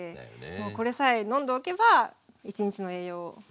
もうこれさえ飲んでおけば一日の栄養大丈夫。